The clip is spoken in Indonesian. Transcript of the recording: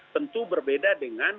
tentu berbeda dengan